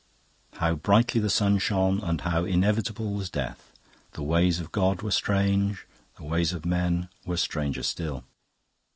How brightly the sun shone and how inevitable was death! The ways of God were strange; the ways of man were stranger still...